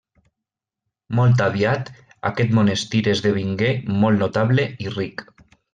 Molt aviat, aquest monestir esdevingué molt notable i ric.